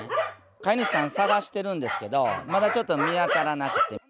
飼い主さん、捜してるんですけど、まだちょっと見当たらなくて。